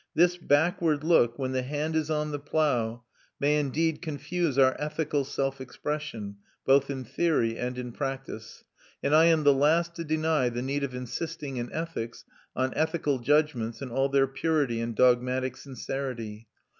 This backward look, when the hand is on the plough, may indeed confuse our ethical self expression, both in theory and in practice; and I am the last to deny the need of insisting, in ethics, on ethical judgments in all their purity and dogmatic sincerity.